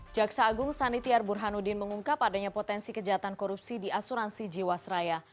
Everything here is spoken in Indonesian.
jaksa agung sanityar burhanuddin mengungkap adanya potensi kejahatan korupsi di asuransi jiwasraya